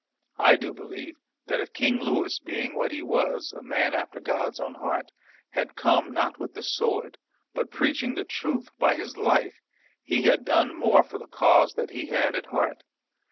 I do believe that if King Louis, being what he was, a man after God's own heart, had come, not with the sword, but preaching the truth by his life, he had done more for the cause that he had at heart.